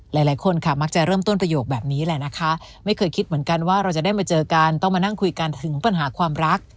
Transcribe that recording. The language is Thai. หลายคนค่ะมักจะเริ่มต้นประโยคแบบนี้แหละนะคะไม่เคยคิดเหมือนกันว่าเราจะได้มาเจอกันต้องมานั่งคุยกันถึงปัญหาความรัก